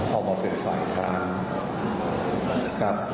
เอามาเป็นฝ่ายค้าง